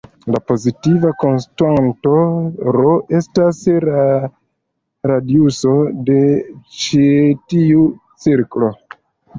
La pozitiva konstanto "r" estas la radiuso de ĉi tiu cirklo.